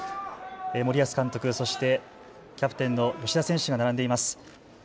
森保監督、そしてキャプテンの吉田選手が並んでいます。